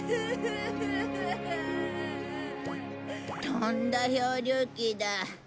とんだ漂流記だ。